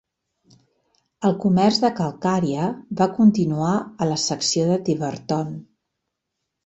El comerç de calcària va continuar a la secció de Tiverton.